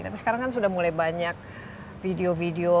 tapi sekarang kan sudah mulai banyak video video